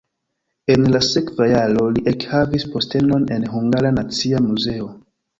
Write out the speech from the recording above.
En la sekva jaro li ekhavis postenon en Hungara Nacia Muzeo.